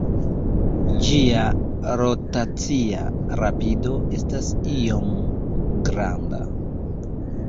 Ĝia rotacia rapido estas iom granda.